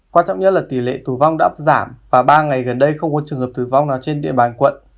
quan trọng nhất là tỷ lệ tử vong đã giảm và ba ngày gần đây không có trường hợp tử vong nào trên địa bàn quận